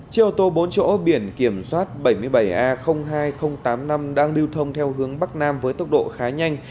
chiều ô tô bốn chỗ biển kiểm soát bảy mươi bảy a hai nghìn tám mươi năm đang lưu thông theo hướng bắc nam với tốc độ khá nhanh